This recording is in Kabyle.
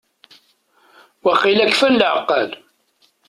Waqila kfan lɛeqqal.